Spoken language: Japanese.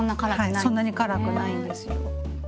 はいそんなに辛くないんですよ。